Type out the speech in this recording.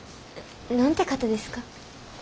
何て方ですか？